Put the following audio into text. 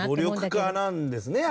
努力家なんですね。